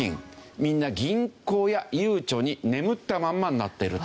みんな銀行やゆうちょに眠ったまんまになっていると。